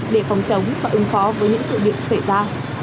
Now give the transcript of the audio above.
để phòng chống và ứng phó với những sự việc xảy ra